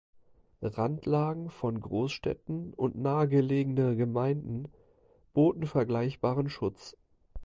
Randlagen von Großstädten und nahegelegene Gemeinden boten vergleichbaren Schutz.